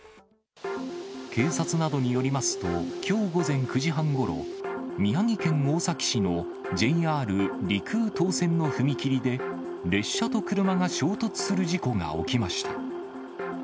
警察などによりますと、きょう午前９時半ごろ、宮城県大崎市のＪＲ陸羽東線の踏切で、列車と車が衝突する事故が起きました。